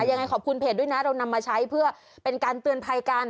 ยังไงขอบคุณเพจด้วยนะเรานำมาใช้เพื่อเป็นการเตือนภัยกัน